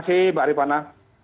ya terima kasih mbak arifana